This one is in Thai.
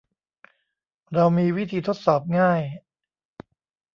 เรามีวิธีทดสอบง่าย